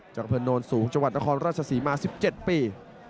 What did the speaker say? จักรเผอร์โน้นสูงจังหวัดละครราชศรีมา๑๗ปี